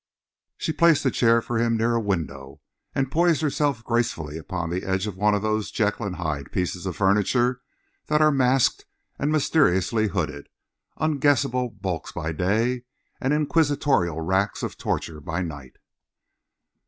She placed a chair for him near a window, and poised herself gracefully upon the edge of one of those Jekyll and Hyde pieces of furniture that are masked and mysteriously hooded, unguessable bulks by day and inquisitorial racks of torture by night.